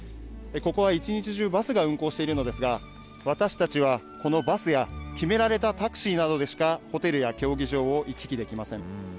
ここは一日中バスが運行しているのですが、私たちはこのバスや、決められたタクシーなどでしか、ホテルや競技場を行き来できません。